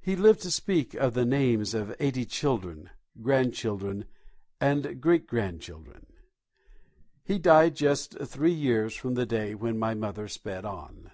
He lived to speak the names of eighty children, grand children and great grand children. He died just three years from the day when my mother sped on.